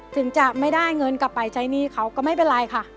ถึงจะไม่ได้เงินกลับไปใช้หนี้เขาก็ไม่เป็นไรค่ะ